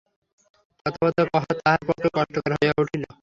কথাবার্তা কহা তাঁহার পক্ষে কষ্টকর হইয়া উঠিল।